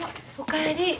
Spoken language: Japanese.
お帰り。